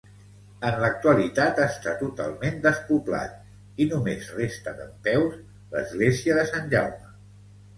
En l'actualitat està totalment despoblat i només resta dempeus l'església de Sant Jaume.